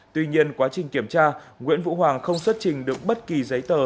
tuy nhiên quá trình kiểm tra